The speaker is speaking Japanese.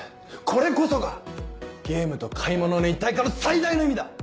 これこそがゲームと買い物の一体化の最大の意味だ！